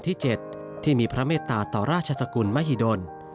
ที่๗ที่มีพระเมตตาต่อราชสกุลมหิดล